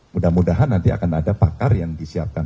mudah mudahan nanti akan ada pakar yang disiapkan